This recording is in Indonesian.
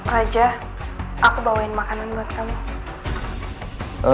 raja aku bawain makanan buat kamu